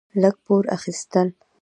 لږ پور اخيستل: